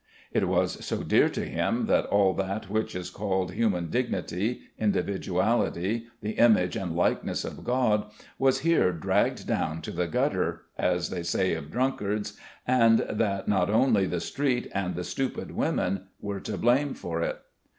It was so dear to him that all that which is called human dignity, individuality, the image and likeness of God, was here dragged down to the gutter, as they say of drunkards, and that not only the street and the stupid women were to blame for it.